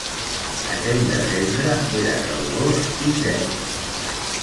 Aquell desembre era calorós i sec.